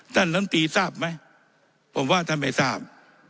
ลำตีทราบไหมผมว่าท่านไม่ทราบ